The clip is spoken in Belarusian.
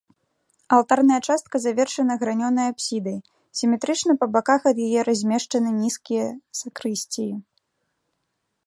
Алтарная частка завершана гранёнай апсідай, сіметрычна па баках ад яе размешчаны нізкія сакрысціі.